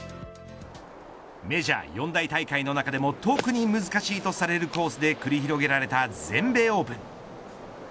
メジャー４大大会の中でも特に難しいとされるコースで繰り広げられた全米オープン。